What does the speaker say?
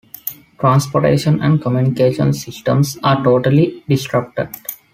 Transportation and communications systems are totally disrupted.